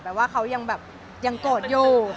แต่ว่าเค้ายังแบบโกรธอยู่